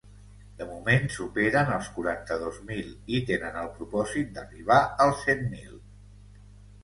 De moment superen els quaranta-dos mil i tenen el propòsit d’arribar als cent mil.